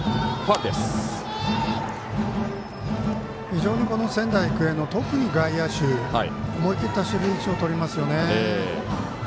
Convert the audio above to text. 非常に仙台育英の特に外野手思い切った守備位置をとりますよね。